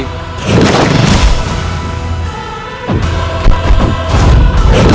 sampai jumpa lagi